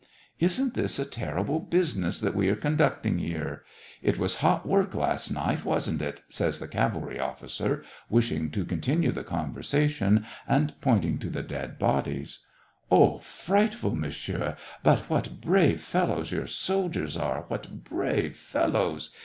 " Isn't this a terrible business that we are con ducting here ? It was hot work last night, wasn't it }" says the cavalry officer, wishing to continue the conversation, and pointing to the dead bodies. SEVASTOPOL IN MAY. i jg " Oh, frightful, Monsieur ! But what brave fellows your soldiers are — what brave fellows!